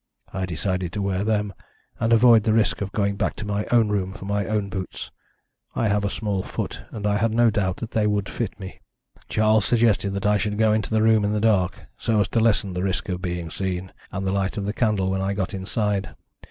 I decided to wear them and avoid the risk of going back to my room for my own boots. I have a small foot, and I had no doubt that they would fit me. "Charles suggested that I should go into the room in the dark, so as to lessen the risk of being seen, and light the candle when I got inside.